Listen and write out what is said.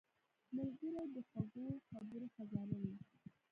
ملګری د خوږو خبرو خزانه وي